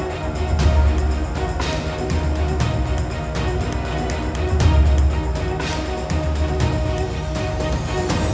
เข้ามาแล้ว